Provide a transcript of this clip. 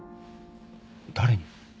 誰に？